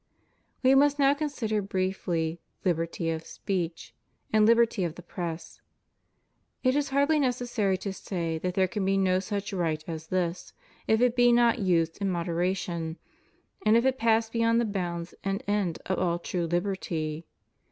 We must now consider briefly liberty of speech, and liberty of the Press. It is hardly necessary to say that there can be no such right as this, if it be not used in mod ^T^ eration, and if it pass beyond the bounds and end of all true liberty.